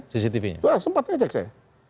cctv nya sempat ngecek saya